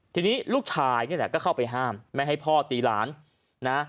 ทีนี้ลูกชายนี่แหละก็เข้าไปห้ามไม่ให้พ่อตีหลานนะ